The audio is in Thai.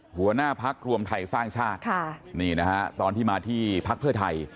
หัวหน้าพักรวมไทยสร้างชาติค่ะนี่นะฮะตอนที่มาที่พักเพื่อไทย